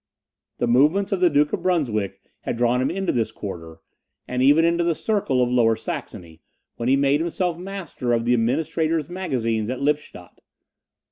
The movements of the Duke of Brunswick had drawn him into this quarter, and even into the circle of Lower Saxony, when he made himself master of the Administrator's magazines at Lippstadt.